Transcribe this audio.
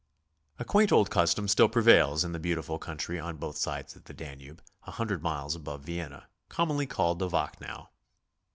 A quaint old custom still prevails in the beautiful coun try on both sides of the Danube, a hundred miles above Vienna, commonly called the Wachnau.